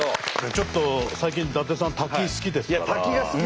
ちょっと最近伊達さん滝好きですから。